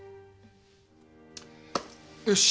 よし！